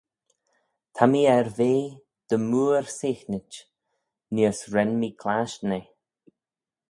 Ta mee er ve dy mooar seaghnit neayr's ren mee clashtyn eh.